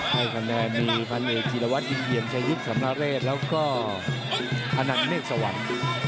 ให้กำแหน่งมีพันธุ์เอกจีรวัตรยิงเยียมชายุทธ์สำราเรศแล้วก็อันนันเมฆสวัสดิ์